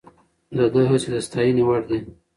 د ده هڅې د ستاینې وړ دي.